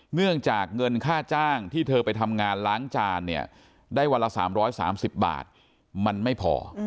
เนื่องจากเงินค่าจ้างที่เธอไปทำงานล้างจานเนี่ยได้วันละ๓๓๐บาทมันไม่พอ